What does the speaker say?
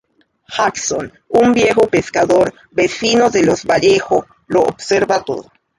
Jackson, un viejo pescador, vecino de los Vallejo, lo observa todo.